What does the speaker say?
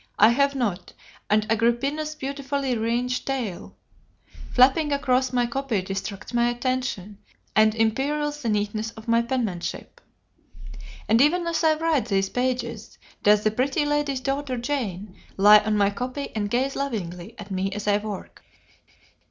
I have not; and Agrippina's beautifully ringed tail flapping across my copy distracts my attention and imperils the neatness of my penmanship." And even as I write these pages, does the Pretty Lady's daughter Jane lie on my copy and gaze lovingly at me as I work.